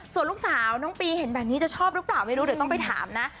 ส่วนลูกสาวน้องปีเห็นแบบนี้จะชอบหรือเปล่าไม่รู้เดี๋ยวต้องไปถามนะ